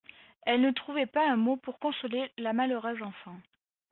Elle ne trouvait pas un mot pour consoler la malheureuse enfant.